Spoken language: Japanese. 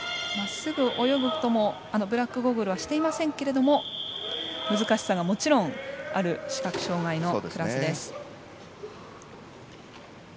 ブラックゴーグルはしていませんけれども難しさがもちろんある視覚障がいのクラスです。